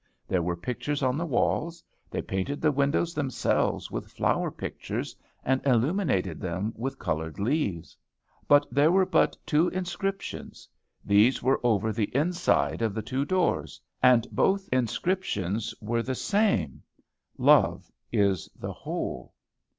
There were pictures on the walls; they painted the windows themselves with flower pictures, and illuminated them with colored leaves. But there were but two inscriptions. These were over the inside of the two doors, and both inscriptions were the same, "Love is the whole."